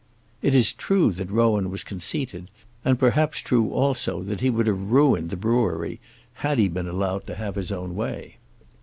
It is true that Rowan was conceited, and perhaps true also that he would have ruined the brewery had he been allowed to have his own way.